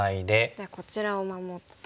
じゃあこちらを守って。